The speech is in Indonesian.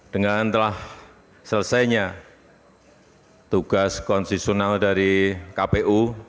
dengan telah selesainya tugas konsesional dari kpu